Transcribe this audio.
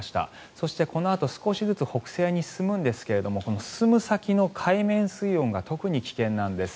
そして、このあと少しずつ北西に進むんですがこの進む先の海面水温が特に危険なんです。